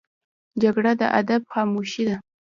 جګړه د ادب خاموشي ده